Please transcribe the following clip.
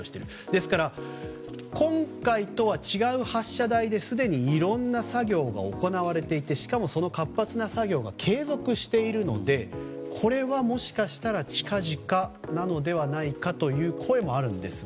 ですから、今回とは違う発射台ですでにいろんな作業が行われていてしかも、その活発な作業が継続しているのでこれはもしかしたら近々なのではないかという声もあるんですが。